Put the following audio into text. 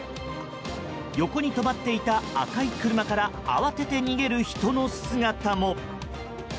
横に止まっていた赤い車から慌てて逃げる人の姿も。